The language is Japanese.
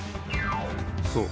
そう。